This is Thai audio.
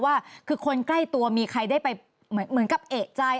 ว่าคือคนใกล้ตัวมีใครได้ไปเหมือนกับเอกใจ